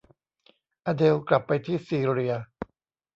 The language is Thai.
อเดลล์กลับไปที่ซีเรีย